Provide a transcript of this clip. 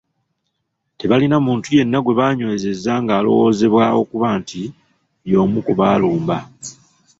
Tebalina muntu yenna gwe banywezezza ng’alowoozebwa okuba nti y’omu ku baalumba.